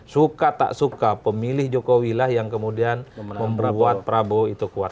suka tak suka pemilih jokowi lah yang kemudian membuat prabowo itu kuat